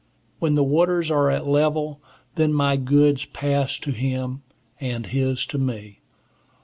When the waters are at level, then my goods pass to him, and his to me.